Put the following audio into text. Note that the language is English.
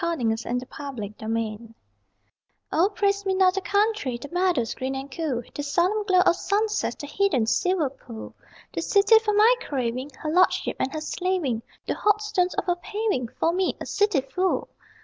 O PRAISE ME NOT THE COUNTRY O praise me not the country The meadows green and cool, The solemn glow of sunsets, the hidden silver pool! The city for my craving, Her lordship and her slaving, The hot stones of her paving For me, a city fool!